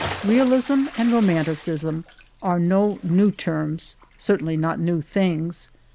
Realism and Romanticism are no new terms — certainly not new things.